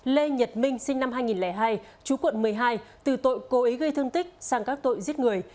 lê nhật minh sinh năm hai nghìn hai chú quận một mươi hai từ tội cố ý gây thương tích sang các tội giết người